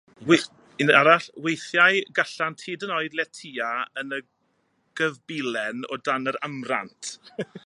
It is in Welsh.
Weithiau gallant hyd yn oed letya yn y gyfbilen o dan yr amrant.